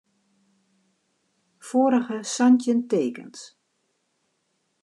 Foarige santjin tekens.